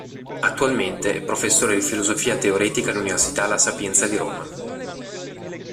Attualmente è professore di filosofia teoretica all'Università La Sapienza di Roma.